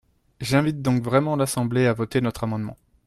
J’invite donc vraiment l’Assemblée à voter notre amendement.